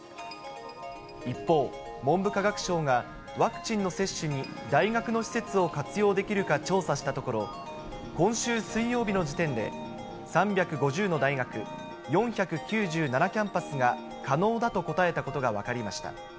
一方、文部科学省がワクチンの接種に大学の施設を活用できるか調査したところ、今週水曜日の時点で、３５０の大学、４９７キャンパスが可能だと答えたことが分かりました。